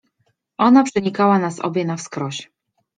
Ona przenikała nas obie na wskroś…